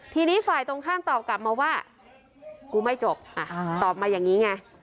ทีนี้ฝ่ายตรงข้ามตอบกลับมาว่ากูไม่จบตอบมาอย่างนี้ไง